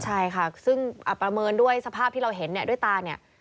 ใช่ค่ะซึ่งประเมินด้วยสภาพที่เราเห็นเนี่ยด้วยตาเนี่ย